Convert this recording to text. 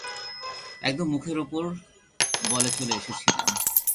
একদম মুখের উপর বলে চলে এসেছিলাম।